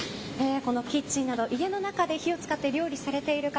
キッチンなど、家の中で火を使って料理されている方